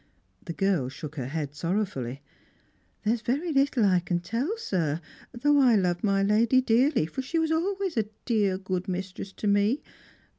The girl shook her head sorrowfully. " There's very little I can tell, sir, though I loved my lady dearly, for she was always a. dear good mistress to me.